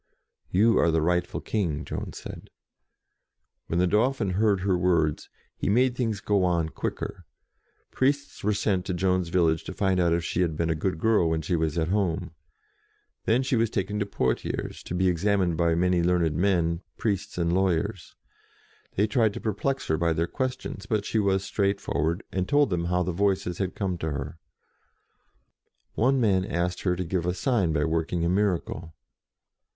"You are the rightful King," Joan said. When the Dauphin heard her words, he made things go on quicker. Priests were sent to Joan's village to find out if she had been a good girl when she was at home. SEES THE DAUPHIN 31 Then she was taken to Poitiers, to be ex amined by many learned men, priests and lawyers. They tried to perplex her by their questions, but she was straightforward, and told them how the Voices had come to her. One man asked her to give a sign by work ing a miracle.